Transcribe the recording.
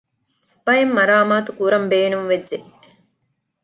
ބައެއް މަރާމާތުކުރަން ބޭނުންވެއްޖެ